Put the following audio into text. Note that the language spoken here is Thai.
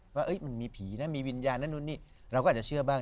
ว่ามันมีผีนะมีวิญญาณนั่นนู่นนี่เราก็อาจจะเชื่อบ้าง